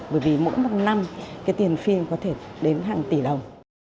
bởi vì mỗi một năm cái tiền phim có thể đến hàng tỷ đồng